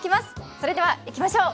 それではいきましょう。